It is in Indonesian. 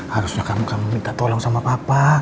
harusnya kamu minta tolong sama papa